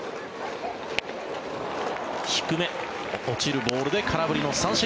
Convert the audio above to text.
低め、落ちるボールで空振りの三振。